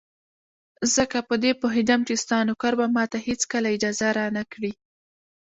ځکه په دې پوهېدم چې ستا نوکر به ماته هېڅکله اجازه را نه کړي.